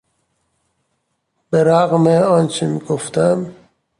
به رغم آنچه گفتم